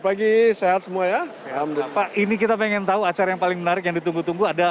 pagi sehat semua ya pak ini kita pengen tahu acara yang paling menarik yang ditunggu tunggu ada